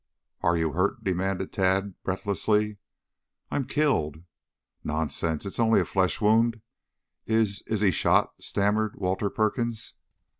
"Are you hurt?" demanded Tad breathlessly. "I'm killed." "Nonsense! It's only a flesh wound " "Is is he shot?" stammered Walter Perkins.